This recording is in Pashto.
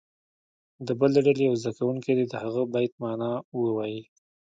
د بلې ډلې یو زده کوونکی دې د هغه بیت معنا ووایي.